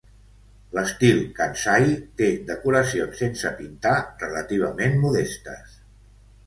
L'estil "kansai" té decoracions sense pintar relativament modestes.